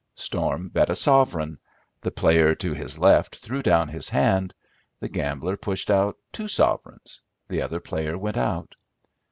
Storm bet a sovereign. The player to his left threw down his hand. The gambler pushed out two sovereigns. The other player went out.